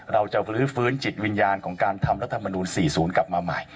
เราจะลื้อฟื้นจิตวิญญาณของการทำรัฐมนูล๔๐กลับมาใหม่